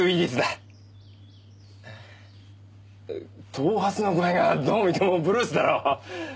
頭髪の具合がどう見てもブルースだろ。